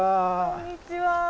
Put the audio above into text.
こんにちは。